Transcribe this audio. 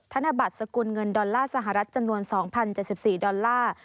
ธนบัตรสกุลเงินดอลลาร์สหรัฐจำนวน๒๐๗๔ดอลลาร์